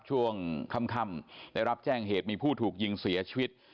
ช่วงค่ำได้รับแจ้งเหตุมีผู้ถูกยิงเสียชีวิต